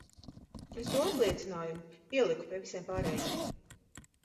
Es to apliecinājumu ieliku pie visiem pārējiem.